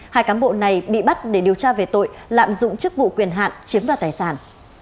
hai cán bộ này bị bắt để điều tra về tội lạm dụng chức vụ quyền hạn chiếm đoạt tài sản